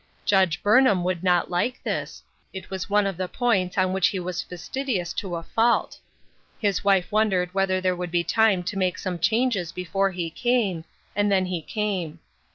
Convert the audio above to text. Judge Burnham would not like this ; it was one of the points on which he was fastidious to a fault. His wife won dered whether there would be time to make some changes before he came ; and then he came.